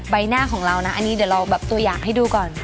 ใบหน้าของเรานะอันนี้เดี๋ยวเราแบบตัวอย่างให้ดูก่อน